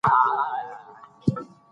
د مرغۍ واړه بچي به ډېر ژر له ځالې والوځي.